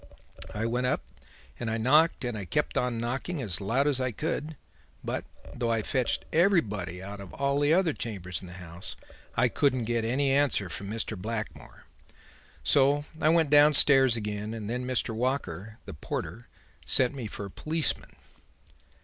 I went up and knocked and kept on knocking as loud as I could, but, though I fetched everybody out of all the other chambers in the house, I couldn't get any answer from Mr. Blackmore. So I went downstairs again and then Mr. Walker, the porter, sent me for a policeman.